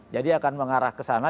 jadi akan mengarah ke sana